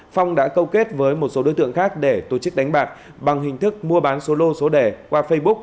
phong đã câu kết với một số đối tượng khác để tổ chức đánh bạc bằng hình thức mua bán số lô số đẻ qua facebook